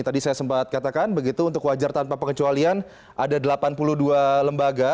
tadi saya sempat katakan begitu untuk wajar tanpa pengecualian ada delapan puluh dua lembaga